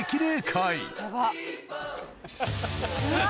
うわ！